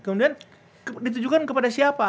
kemudian ditujukan kepada siapa